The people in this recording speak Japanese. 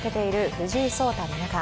藤井聡太七冠。